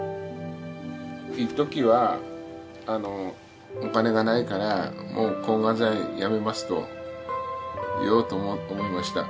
いっときはお金がないから「もう抗がん剤やめます」と言おうと思いました。